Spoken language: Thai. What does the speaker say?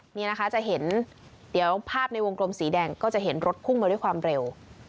นี่นะคะจะเห็นเดี๋ยวภาพในวงกลมสีแดงก็จะเห็นรถพุ่งมาด้วยความเร็ว